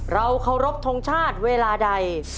เราเคารพทงชาติเวลาใด